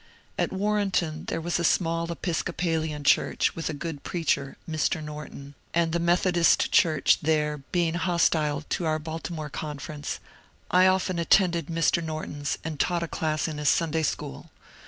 At Warrenton there was a small Episcopalian church with a good preacher (Mr. Norton), and the Methodist church there BEADING LAW 79 being hostile to onr Baltimore Conference, I often ac^that Mr. Norton's and taught a class in his Sunday school.